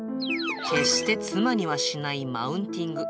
決して妻にはしないマウンティング。